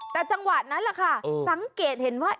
แต่จังหวะนั้นแหละค่ะสังเกตเห็นว่า